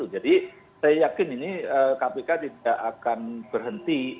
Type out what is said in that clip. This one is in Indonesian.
jadi saya yakin ini kpk tidak akan berhenti